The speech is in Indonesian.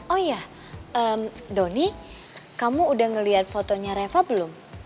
oh iya doni kamu udah ngeliat fotonya reva belum